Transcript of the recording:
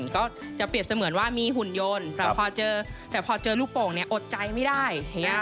ก็จะเปรียบเหมือนว่ามีหุ่นโยนแต่พอเจอลูกโป่งเนี่ยอดใจไม่ได้